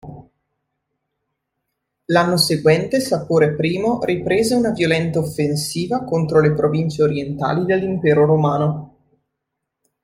L'anno seguente Sapore I riprese una violenta offensiva contro le province orientali dell'Impero romano.